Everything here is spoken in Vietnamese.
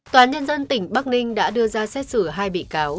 tòa án nhân dân tỉnh bắc ninh đã đưa ra xét xử hai bị cáo